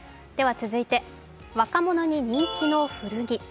続いて、若者に人気の古着。